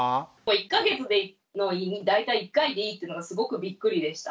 １か月で大体１回でいいというのがすごくびっくりでした。